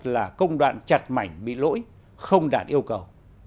là công đoạn chặt mảnh bị lỗi không đạt yêu cầu